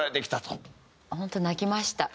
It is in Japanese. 本当泣きました。